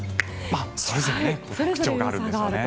それぞれ特徴があるんですね。